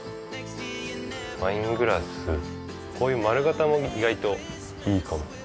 ワイングラスこういう丸型も意外といいかも。